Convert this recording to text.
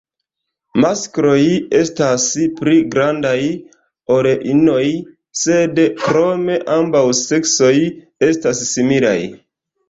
Maskloj estas pli grandaj ol inoj, sed krome ambaŭ seksoj estas similaj.